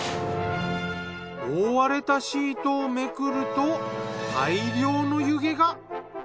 覆われたシートをめくると大量の湯気が。